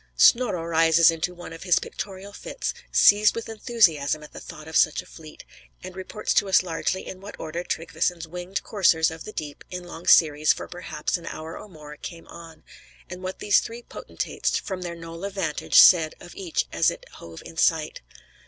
Snorro rises into one of his pictorial fits, seized with enthusiasm at the thought of such a fleet, and reports to us largely in what order Tryggveson's winged Coursers of the Deep, in long series, for perhaps an hour or more, came on, and what the three potentates, from their knoll of vantage, said of each as it hove in sight.